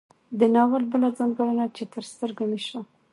د ناول بله ځانګړنه چې تر سترګو مې شوه